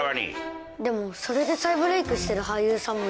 でもそれで再ブレークしてる俳優さんもいるよ？